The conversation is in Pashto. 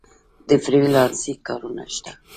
د فری لانسینګ کارونه شته؟